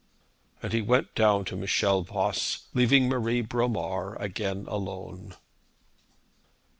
And he went down to Michel Voss, leaving Marie Bromar again alone.